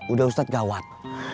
udah ustadz gawat